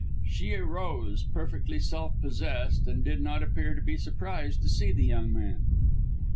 She arose, perfectly self possessed, and did not appear to be surprised to see the young man.